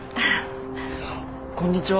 こんにちは。